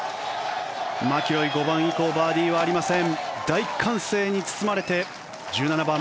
マキロイ、５番以降バーディーはありません。